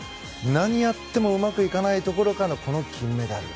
何やってもうまくいかないところからの金メダル。